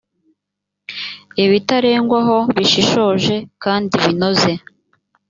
ibitarengwaho bishishoje kandi binoze